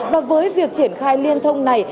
và với việc triển khai liên thông này